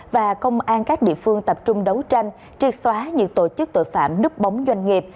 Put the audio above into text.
và công an các địa phương tập trung đấu tranh triệt xóa những tổ chức tội phạm núp bóng doanh nghiệp